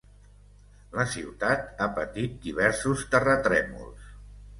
La ciutat ha patit diversos terratrèmols.